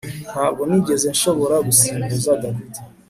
Ntabwo nigeze nshobora gusimbuza David